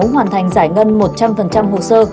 hoàn thành giải ngân một trăm linh hồ sơ